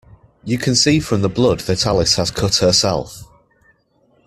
You can see from the blood that Alice has cut herself